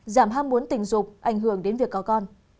giảm ham muốn tình dục ảnh hưởng đến việc có con